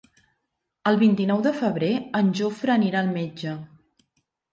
El vint-i-nou de febrer en Jofre anirà al metge.